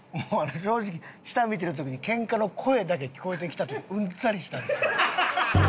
正直下見てる時にけんかの声だけ聞こえてきた時うんざりしたんですよ。